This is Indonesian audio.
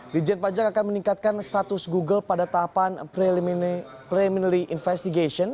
di jend pajak akan meningkatkan status google pada tahapan preliminary investigation